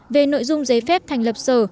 về nội dung giấy phép thành lập sở